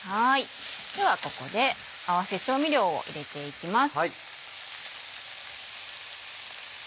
ではここで合わせ調味料を入れていきます。